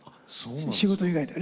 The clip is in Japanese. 仕事以外で。